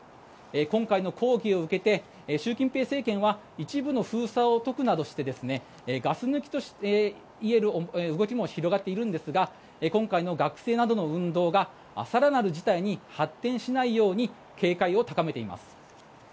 今回の抗議を受けて習近平政権は一部の封鎖を解くなどしてガス抜きといえる動きも広がっているんですが今回の学生などの運動が更なる事態に発展しないように警戒を高めています。